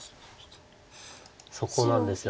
そこなんですよね。